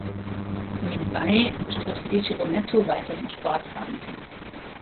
Nebenbei bestritt Felice Bonetto weiterhin Sportwagenrennen.